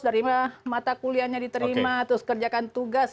dari mata kuliahnya diterima terus kerjakan tugas